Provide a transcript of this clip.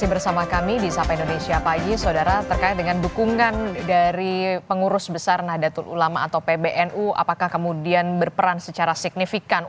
bersama kami di sampai indonesia baik